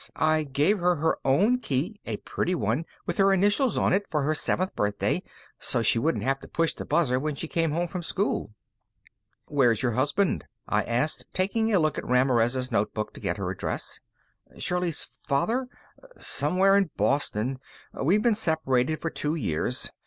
I gave her her own key, a pretty one, with her initials on it, for her seventh birthday, so she wouldn't have to push the buzzer when she came home from school." "Where's your husband?" I asked taking a look at Ramirez' notebook to get her address. "Shirley's father? Somewhere in Boston. We've been separated for two years.